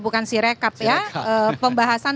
bukan sirekap ya pembahasan